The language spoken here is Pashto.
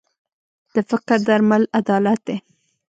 د فقر درمل عدالت دی.